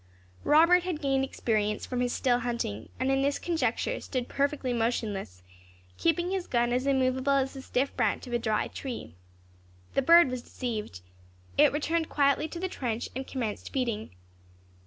Robert had gained experience from his still hunting; and in this conjuncture stood perfectly motionless, keeping his gun as immovable as the stiff branch of a dry tree. The bird was deceived. It returned quietly to the trench, and commenced feeding.